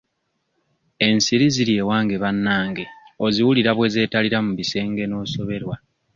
Ensiri ziri ewange bannange oziwulira bwe zeetalira mu bisenge n'osoberwa.